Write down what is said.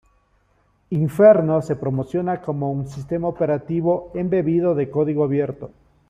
Inferno se promociona como un sistema operativo embebido de código abierto.